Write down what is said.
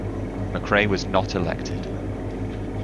McRae was not elected.